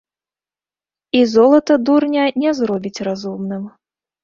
І золата дурня не зробіць разумным.